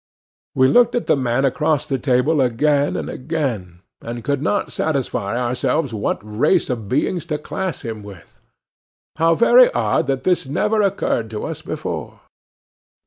We looked at the man across the table again and again; and could not satisfy ourselves what race of beings to class him with. How very odd that this never occurred to us before!